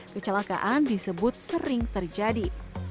kecelakaan disebut sering terjadi